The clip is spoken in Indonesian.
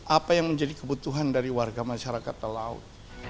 apa yang menjadi kebutuhan dari warga masyarakat talaut